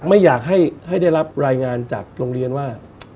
ไม่อยากให้ได้รับรายงานจากโรงเรียนว่า